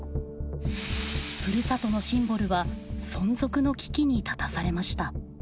ふるさとのシンボルは存続の危機に立たされました。